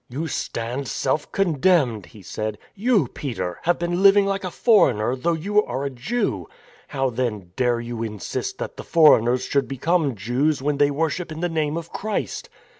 " You stand self condemned," he said. " You, Peter, have been living like a foreigner, though you are a Jew. How, then, dare you insist that the THE DECISIVE BATTLE 157 foreigners should become Jews when they worship in the name of Christ?